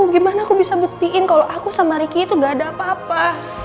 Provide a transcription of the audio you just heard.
gimana aku bisa buktiin kalau aku sama ricky itu gak ada apa apa